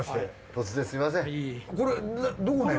突然すみません。